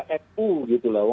itu nu gitu lah